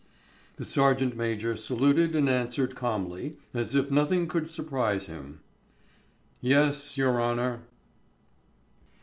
The sergeant major saluted and answered calmly, as if nothing could surprise him, "Yes, your honour."